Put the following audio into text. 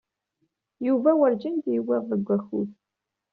Yuba werǧin d-yewwiḍ deg wakud.